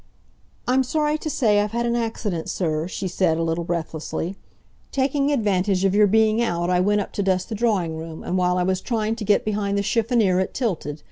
"I'm sorry to say I've had an accident, sir," she said a little breathlessly. "Taking advantage of your being out I went up to dust the drawing room, and while I was trying to get behind the chiffonnier it tilted.